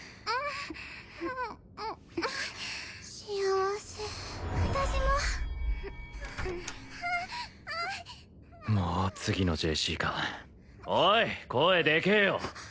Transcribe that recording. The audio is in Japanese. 幸せ私ももう次のＪＣかおい声でけえよ